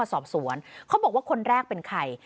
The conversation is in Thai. สอบสวนเขาบอกว่าคนแรกเป็นใคร